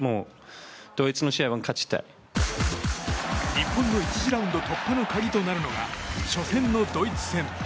日本の１次ラウンドの突破の鍵となるのが初戦のドイツ戦。